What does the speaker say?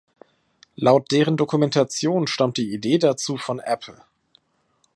Laut deren Dokumentation stammt die Idee dazu von Apple.